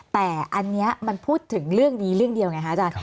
แต่อันนี้มันพูดถึงเรื่องนี้เรื่องเดียวไงคะอาจารย์